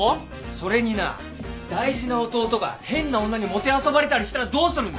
それにな大事な弟が変な女にもてあそばれたりしたらどうするんだ！